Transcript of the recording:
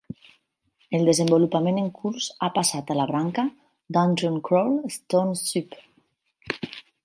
El desenvolupament en curs ha passat a la branca Dungeon Crawl Stone Soup.